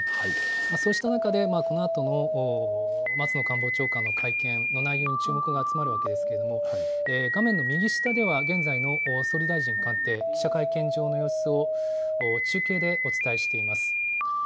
そうした中で、このあとの松野官房長官の会見の内容に注目が集まるわけですけれども、画面の右下では、現在の総理大臣官邸、記者会見場の様子を中継でお伝えしています。